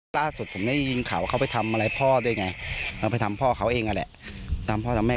เขานั่งเร่งกันอยู่ตรงนี้นั่งไปนั่งมา